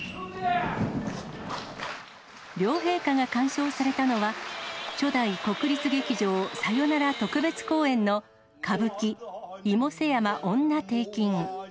両陛下が鑑賞されたのは、初代国立劇場さよなら特別公演の歌舞伎、妹背山婦女庭訓。